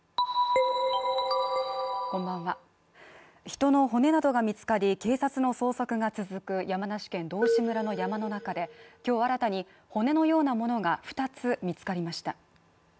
人の骨などが見つかり警察の捜索が続く山梨県道志村の山の中で今日新たに骨のようなものが２つ見つかりました。